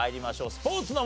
スポーツの問題。